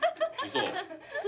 嘘？